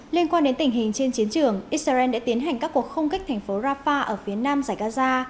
liên quan đến tình hình trên chiến trường israel đã tiến hành các cuộc không kích thành phố rafah ở phía nam giải gaza